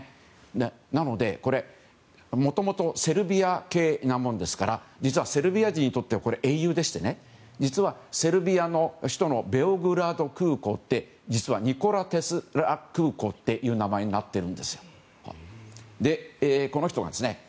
なので、もともとセルビア系なものですから実はセルビア人にとっては英雄でして実はセルビアの首都のベオグラード空港って実はニコラ・テスラ空港っていう名前になっているんですよ。